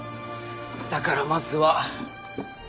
だからまずは。